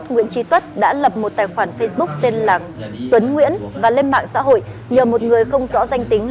nguyễn trí tuất đã lập một tài khoản facebook tên là tuấn nguyễn và lên mạng xã hội nhờ một người không rõ danh tính